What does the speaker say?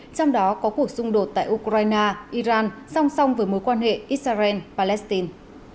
trong đó có cuộc xung đột tại ukraine iran song song với mối quan hệ israel palestine